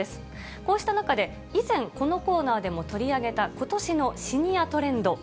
こうした中で、以前、このコーナーでも取り上げたことしのシニアトレンド。